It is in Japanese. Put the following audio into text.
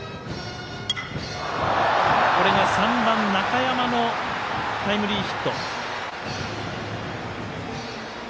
これが３番中山のタイムリーヒット。